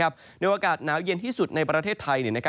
ในอากาศหนาวเย็นที่สุดในประเทศไทย